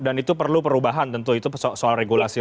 dan itu perlu perubahan tentu itu soal regulasi